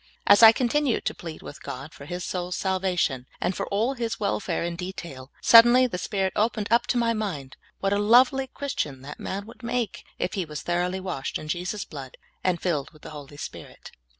As I continued to plead with God for his soul's sal vation, and for all his welfare in detail, suddenly the Spirit opened to my mind what a lovely Christian that man would make if he was thoroughly washed in Jesus' blood, and filled with the Holy Spirit.